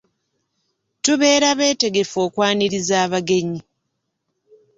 Tubeera betegefu okwaniriza abagenyi.